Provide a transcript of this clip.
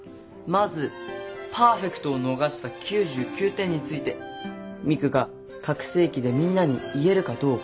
まずパーフェクトを逃した９９点についてミクが拡声機でみんなに言えるかどうか。